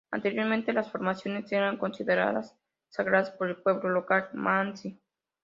Anteriormente, las formaciones eran consideradas sagradas por el pueblo local mansi.